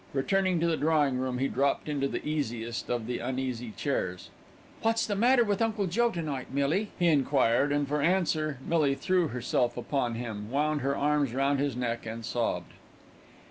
Returning to the drawing room, he dropped into the easiest of the uneasy chairs. "What's the matter with Uncle Joe to night, Millie?" he enquired, and for answer Millie threw herself upon him, wound her arms round his neck and sobbed.